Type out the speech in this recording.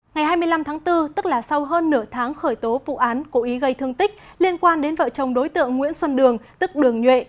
ngày hai mươi năm tháng bốn tức là sau hơn nửa tháng khởi tố vụ án cố ý gây thương tích liên quan đến vợ chồng đối tượng nguyễn xuân đường tức đường nhuệ